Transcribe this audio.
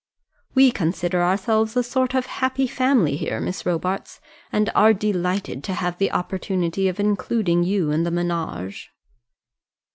"We consider ourselves a sort of happy family here, Miss Robarts, and are delighted to have the opportunity of including you in the ménage."